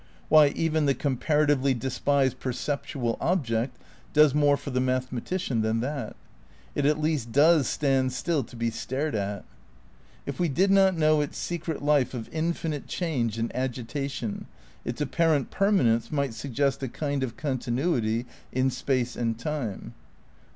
Why, even the comparatively despised perceptual object does more for the mathematician than that. It at least does stand still to be stared at. If we did not know its secret life of infinite change and agitation, its apparent per manence might suggest a kind of continuity in space and time.